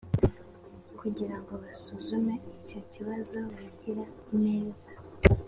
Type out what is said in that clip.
kugira ngo basuzume icyo kibazo bagira ineza